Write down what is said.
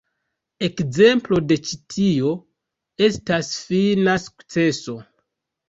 Ekzemplo de ĉi tio estas "Fina Sukceso".